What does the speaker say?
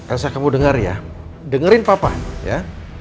elsa kamu denger ya dengerin papa ya